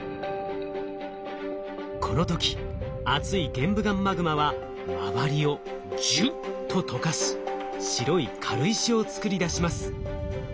この時熱い玄武岩マグマは周りをジュッと溶かし白い軽石をつくりだします。